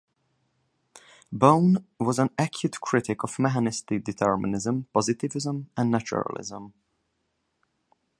Bowne was an acute critic of mechanistic determinism, positivism, and naturalism.